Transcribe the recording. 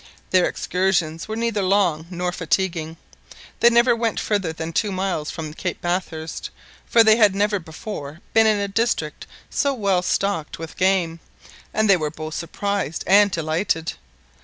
Their excursions were neither long nor fatiguing : they never went further than two miles from Cape Bathurst, for they had never before been in a district so well stocked with game; and they were both surprised and delighted.